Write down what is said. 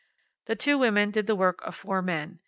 The two women did the work of four men.